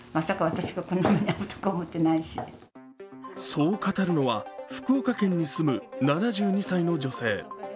そう語るのは、福岡県に住む７２歳の女性。